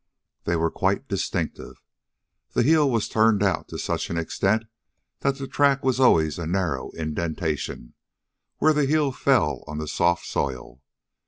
They were quite distinctive. The heel was turned out to such an extent that the track was always a narrow indentation, where the heel fell on the soft soil.